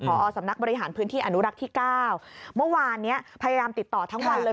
พอสำนักบริหารพื้นที่อนุรักษ์ที่เก้าเมื่อวานเนี้ยพยายามติดต่อทั้งวันเลย